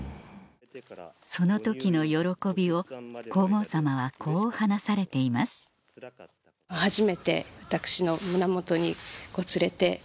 その時の喜びを皇后さまはこう話されていますフフフ。